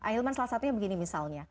ahilman salah satunya begini misalnya